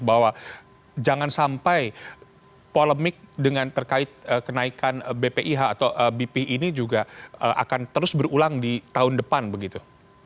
bahwa jangan sampai polemik dengan terkait kenaikan bpih atau bp ini juga akan terus berulang di tahun depan begitu